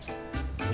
え？